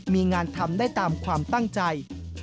มีงานทำได้ตามความตั้งใจ